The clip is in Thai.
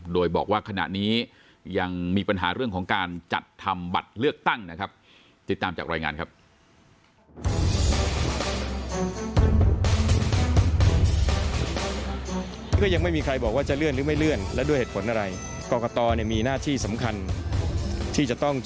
โดยบอกว่าขณะนี้ยังมีปัญหาเรื่องของการจัดทำบัตรเลือกตั้งนะครับ